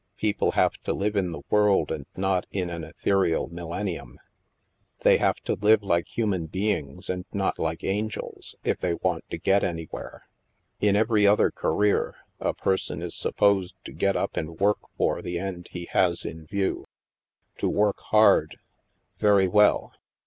People have to live in the world and not in an ethereal millen nium. They have to live like human beings, and not like angels, if they want to get anywhere. In every other career, a person is supposed to get up and work for the end he has in view. To work hard. Very well.